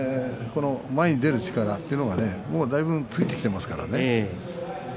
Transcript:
前に出る力っていうのがねもうだいぶついてきていますからね。